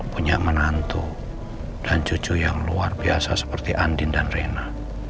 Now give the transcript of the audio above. punya menantu dan cucu yang luar biasa seperti andin dan rena